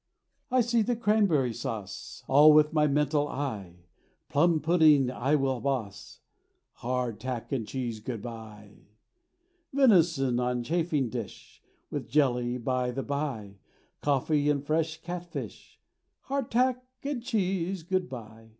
I see the cranberry sauce, All with my mental eye; Plum pudding I will boss; Hard tack and cheese, good bye! Venison on chafing dish, With jelly, by the bye, Coffee and fresh cat fish; Hard tack and cheese, good bye!